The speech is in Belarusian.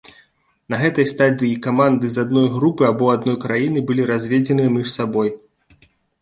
На гэтай стадыі каманды з адной групы або адной краіны былі разведзеныя між сабой.